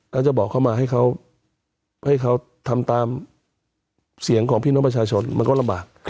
แล้วจะบอกเขามาให้เขาให้เขาทำตามเสียงของพี่น้องประชาชนมันก็ลำบาก